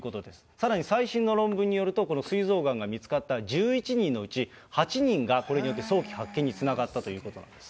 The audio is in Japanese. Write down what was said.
さらに最新の論文によると、このすい臓がんが見つかった１１人のうち８人が、これによって早期発見につながったということなんです。